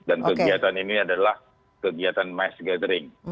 dan kegiatan ini adalah kegiatan mass gathering